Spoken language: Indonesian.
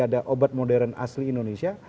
ada obat modern asli indonesia